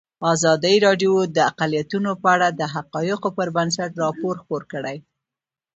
ازادي راډیو د اقلیتونه په اړه د حقایقو پر بنسټ راپور خپور کړی.